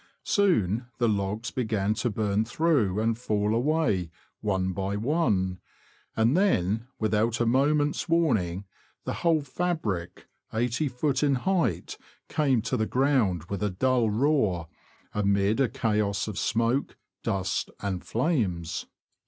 Soon the logs began to burn through and fall away one by one ; and then, without a moment's warning, the whole fabric. Soft, in height, came to the ground with a dull roar, amid a chaos of smoke, dust, and flames.